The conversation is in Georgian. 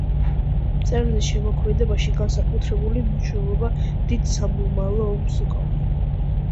მწერლის შემოქმედებაში განსაკუთრებული მნიშვნელობა დიდ სამამულო ომს უკავია.